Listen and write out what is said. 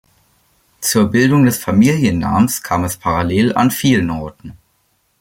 Zur Bildung des Familiennamens kam es parallel an vielen Orten.